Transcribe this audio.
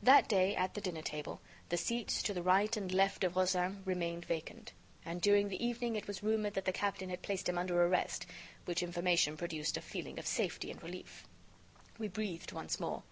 That day, at the dinner table, the seats to the right and left of Rozaine remained vacant; and, during the evening, it was rumored that the captain had placed him under arrest, which information produced a feeling of safety and relief. We breathed once more.